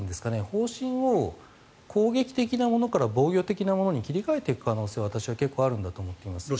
方針を、攻撃的なものから防御的なものに切り替えていく可能性は私は結構あると思っています。